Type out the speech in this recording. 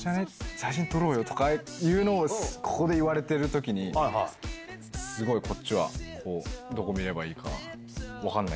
写真撮ろうよとかいうのを、ここで言われてるときに、すごいこっちは、こう、どこ見ればいいか分かんない。